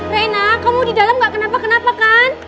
rena kamu di dalam gak kenapa kenapa kan